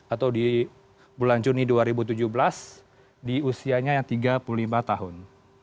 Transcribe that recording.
atau di bulan juni dua ribu tujuh belas di usianya yang tiga puluh lima tahun